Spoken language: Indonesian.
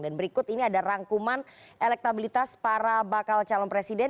dan berikut ini ada rangkuman elektabilitas para bakal calon presiden